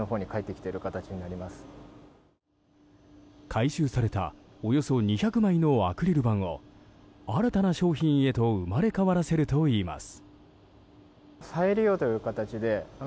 回収されたおよそ２００枚のアクリル板を新たな商品へと生まれ変わらせるといいます。